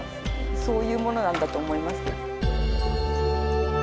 そういうものなんだと思いますけど。